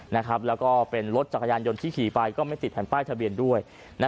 แล้วก็เป็นรถจักรยานยนต์ที่ขี่ไปก็ไม่ติดแผ่นป้ายทะเบียนด้วย